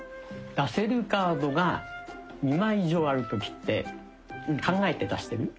出せるカードが２枚以上ある時って考えて出してる？